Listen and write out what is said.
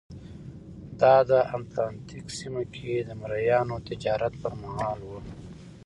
دا د اتلانتیک سیمه کې د مریانو تجارت پرمهال وه.